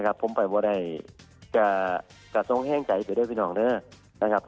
นะครับผมไปไม่ได้ก็ตรงแห้งใจเจอได้พี่น้องด้วยนะครับ